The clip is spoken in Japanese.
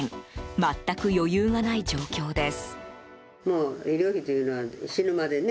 全く余裕がない状況です。